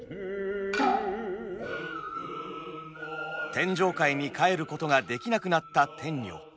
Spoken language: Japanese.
天上界に帰ることができなくなった天女。